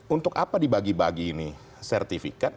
untuk apa dibagi bagi ini sertifikat